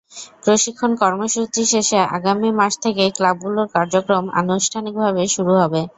প্রশিক্ষণ কর্মসূচি শেষে আগামী মাস থেকেই ক্লাবগুলোর কার্যক্রম আনুষ্ঠানিকভাবে শুরু হবে।